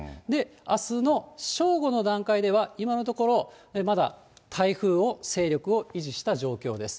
あすの正午の段階では、今のところ、まだ台風は勢力を維持した状況です。